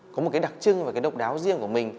có một cái đặc trưng và cái độc đáo riêng của mình